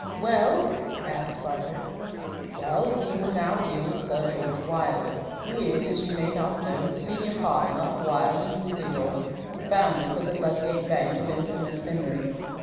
"Well?" asked Barker. "Well, we will now deal with Sir George Wilde, who is, as you may not know, the senior partner of Wilde and Guggendorf, the founders of the Ludgate Bank of infamous memory.